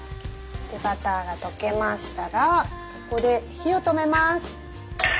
でバターが溶けましたらここで火を止めます。